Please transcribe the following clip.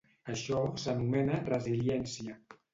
Això s'anomena resiliència.